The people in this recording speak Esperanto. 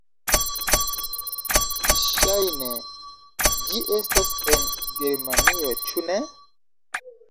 Ŝajne ĝi estas en Germanio, ĉu ne?